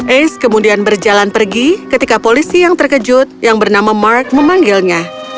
ace kemudian berjalan pergi ketika polisi yang terkejut yang bernama mark memanggilnya